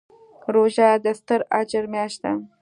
روژه د ستر اجر میاشت ده.